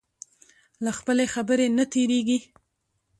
له خپلې خبرې نه تېرېږي.